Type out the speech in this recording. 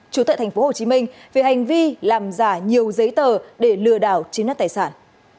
chủ tệ tp hcm vì hành vi làm giả nhiều giấy tờ để lừa đảo chiếm đoạt tài sản